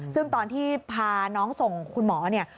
ซึ่งตอนที่พาน้องส่งคุณหมอเนี่ย